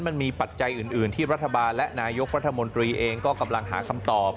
ปัจจัยอื่นที่รัฐบาลและนายกรัฐมนตรีเองก็กำลังหาคำตอบ